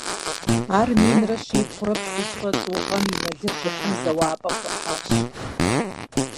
Ар минрэ щибгъурэ плӏыщӏрэ тӏу гъэм и мэлыжьыхьым зэуапӏэм ӏухьащ.